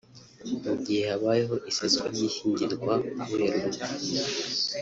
Mu gihe habayeho iseswa ry’ishyingirwa kubera urupfu